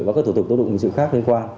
và các thủ tục tổ tục hình sự khác liên quan